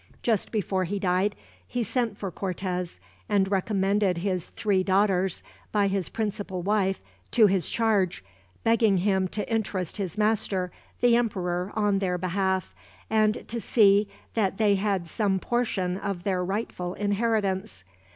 Just before he died he sent for Cortez, and recommended his three daughters by his principal wife to his charge; begging him to interest his master, the emperor, on their behalf, and to see that they had some portion of their rightful inheritance.